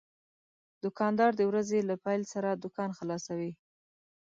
دوکاندار د ورځې له پېل سره دوکان خلاصوي.